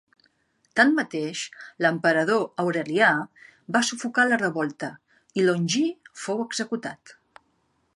Tanmateix, l'emperador Aurelià va sufocar la revolta i Longí fou executat.